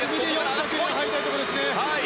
４着に入りたいところですね。